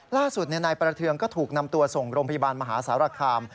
ล่าสุดนายประเทืองก็ถูกนำตัวส่งโรงพยาบาลมหาสารคาม